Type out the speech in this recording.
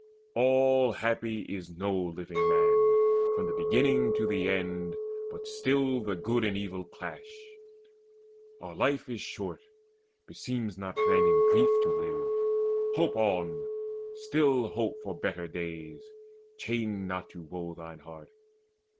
All happy is no living man From the beginning to the end, but still The good and evil clash. Our life is short; Beseems not then in grief to live. Hope on, Still hope for better days: chain not to woe Thine heart.